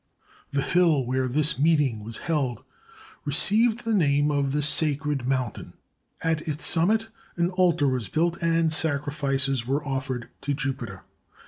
The hill where this meeting was held received the name of the Sacred 293 ROME Mountain. At its summit an altar was built and sacri fices were offered to Jupiter.